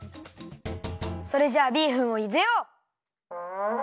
それじゃあビーフンをゆでよう！